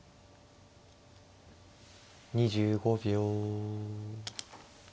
２５秒。